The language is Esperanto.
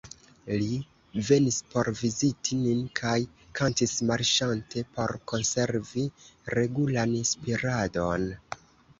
Li venis por viziti nin, kaj kantis marŝante por konservi regulan spiradon.